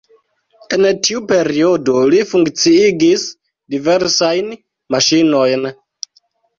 En tiu periodo li funkciigis diversajn maŝinojn.